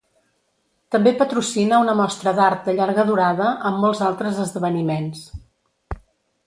També patrocina una mostra d'art de llarga durada amb molts altres esdeveniments.